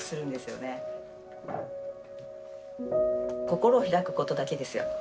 心を開くことだけですよ